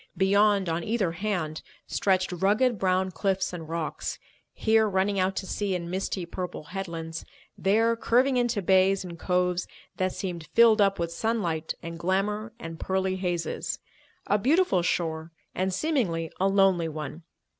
Beyond, on either hand, stretched rugged brown cliffs and rocks, here running out to sea in misty purple headlands, there curving into bays and coves that seemed filled up with sunlight and glamour and pearly hazes; a beautiful shore and, seemingly, a lonely one.